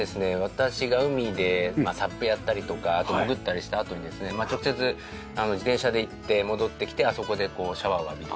私が海でＳＵＰやったりとかあと潜ったりしたあとにですね直接自転車で行って戻ってきてあそこでこうシャワーを浴びる。